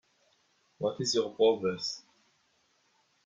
What is your progress?